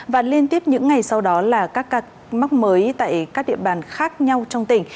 và liên tiếp những ngày sau đó là các ca mắc mới tại các địa bàn khác nhau trong tỉnh